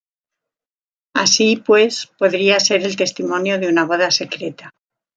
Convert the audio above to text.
Así, pues, podría ser el testimonio de una boda secreta.